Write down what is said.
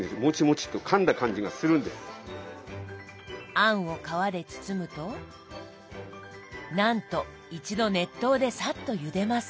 餡を皮で包むとなんと一度熱湯でさっとゆでます。